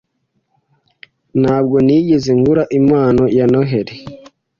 Ntabwo nigeze ngura impano ya Noheri.